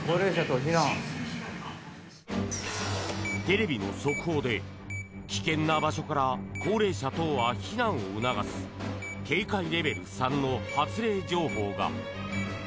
テレビの速報で危険な場所から高齢者等は避難を促す警戒レベル３の発令情報が。